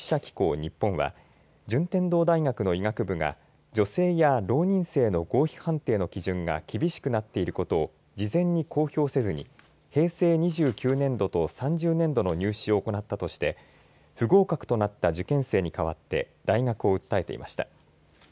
日本は順天堂大学の医学部が女性や浪人生の合否判定の基準が厳しくなっていることを事前に公表せずに平成２９年度と３０年度の入試を行ったとして不合格となった受験生にかわって大学を訴えていました。